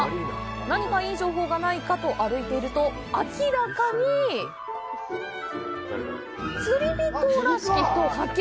何かいい情報がないかと歩いていると明らかに釣り人らしき人を発見！